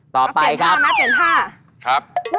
ต้องเปลี่ยนท่านะ